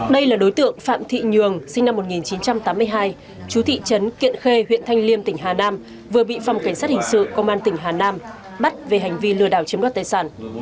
đây là đối tượng phạm thị nhường sinh năm một nghìn chín trăm tám mươi hai chú thị trấn kiện khê huyện thanh liêm tỉnh hà nam vừa bị phòng cảnh sát hình sự công an tỉnh hà nam bắt về hành vi lừa đảo chiếm đoạt tài sản